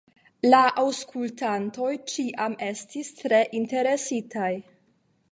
La aŭskultantoj ĉiam estis tre interesitaj.